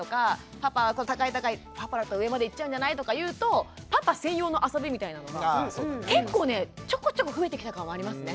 パパはこう高い高いパパだと上までいっちゃうんじゃない？とか言うとパパ専用の遊びみたいなのが結構ねちょこちょこ増えてきた感はありますね。